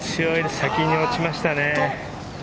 先に落ちましたね。